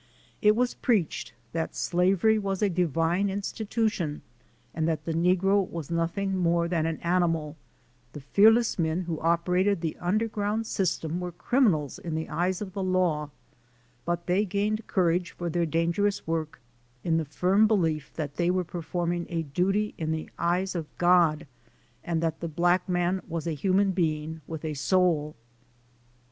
It was preached that slavery was a divine institution and that the negro was nothing more than an animal ; the fearless men who operated the underground system were criminals in the eyes of the law but they gained courage for their danger ous work in the firm belief that they were performing a duty in the eyes of God and that the black man was a human being with a soul.